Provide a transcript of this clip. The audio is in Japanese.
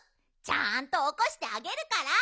ちゃんとおこしてあげるから。